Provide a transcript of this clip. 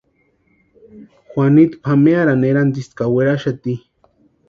Juanitu pʼamearhani erantisti ka weraxati.